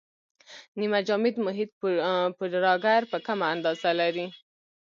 نیمه جامد محیط پوډراګر په کمه اندازه لري.